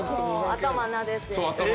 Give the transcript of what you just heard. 頭なでて。